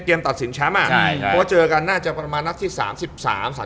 ก็คงถอดใจเอาพูดง่าย